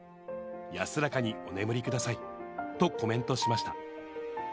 安らかにお眠りくださいとコメントしました。